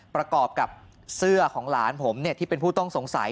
ประกอบกับเสื้อของหลานผมที่เป็นผู้ต้องสงสัย